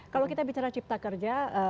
kalau kita bicara cipta kerja